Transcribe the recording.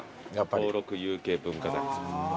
登録有形文化財。